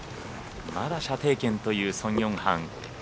まだ射程圏というソン・ヨンハン。